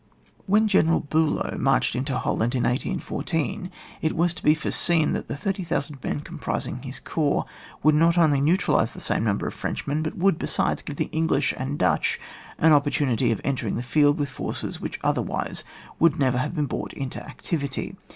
77 When Oeneral Bulow marched into Holland in 1814, it was to be foreseen that the thirty thousand men composing his corps woidd not only neutralise the same number of Frenchmen, but would, besides, give the English and the Dutch an opportunity of entering the field with forces which otherwise would never have been brought into activity.